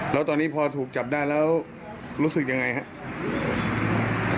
แล้วตอนนี้พอถูกจับได้แล้วรู้สึกยังไงครับ